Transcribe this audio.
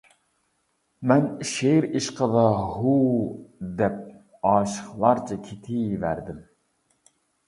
مەن شېئىر ئىشقىدا «ھۇ! » دەپ ئاشىقلارچە كېتىۋەردىم.